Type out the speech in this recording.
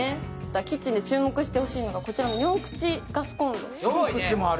キッチンに注目してほしいのが４口ガスコンロ。